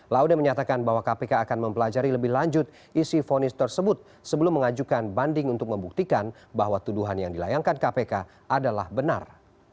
laude menyatakan bahwa kpk akan mempelajari lebih lanjut isi fonis tersebut sebelum mengajukan banding untuk membuktikan bahwa tuduhan yang dilayangkan kpk adalah benar